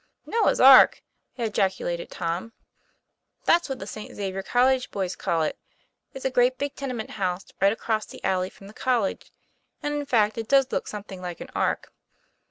"" Noah's Ark! " ejaculated Tom. "That's what the St. Xavier College boys call it. It's a great big tenement house right across the alley from the college; and in fact it does look something like an ark.